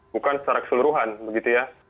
bukan secara keseluruhan begitu ya